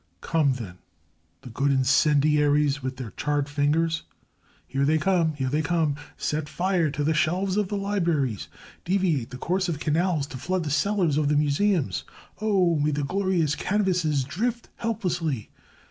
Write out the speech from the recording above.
Come, then, the good incendiaries with their charred fingers!... Here they come! Here they come!... Set fire to the shelves of the libraries! Deviate the course of canals to flood the cellars of the museums!... Oh! may the glorious canvases drift helplessly!